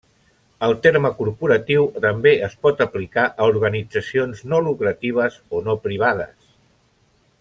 El terme corporatiu també es pot aplicar a organitzacions no lucratives o no privades.